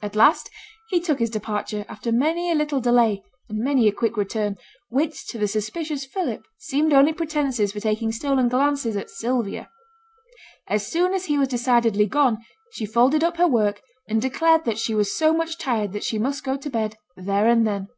At last he took his departure, after many a little delay, and many a quick return, which to the suspicious Philip seemed only pretences for taking stolen glances at Sylvia. As soon as he was decidedly gone, she folded up her work, and declared that she was so much tired that she must go to bed there and then.